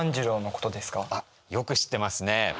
あっよく知ってますね。